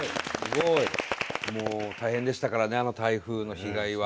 もう大変でしたからねあの台風の被害は。